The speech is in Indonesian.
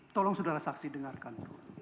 tolong saudara saksi dengarkan